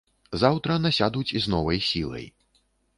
Заўтра насядуць з новай сілай.